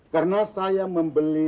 karena saya membeli